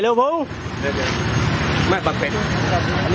มันคล้องไม่เหมือนนั้น